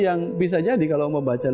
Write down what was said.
penguasaan daftar tersebut harus ada